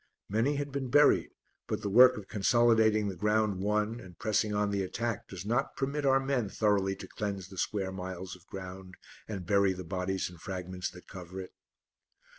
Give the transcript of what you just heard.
Many had been buried, but the work of consolidating the ground won and pressing on the attack does not permit our men thoroughly to cleanse the square miles of ground and bury the bodies and fragments that cover it.